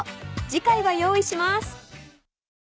次回は用意します］